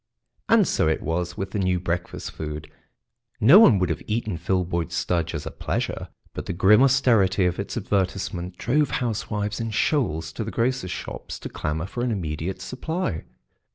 And so it was with the new breakfast food. No one would have eaten Filboid Studge as a pleasure, but the grim austerity of its advertisement drove housewives in shoals to the grocers' shops to clamour for an immediate supply.